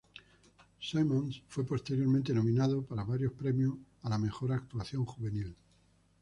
Simmonds fue posteriormente nominado para varios premios a la mejor actuación juvenil.